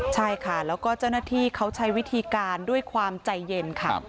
ใช่ค่ะแล้วก็เจ้าหน้าที่เขาใช้วิธีการด้วยความใจเย็นค่ะ